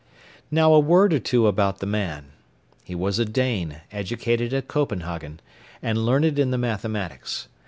] Now a word or two about the man. He was a Dane, educated at Copenhagen, and learned in the mathematics.